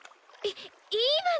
いいいわね！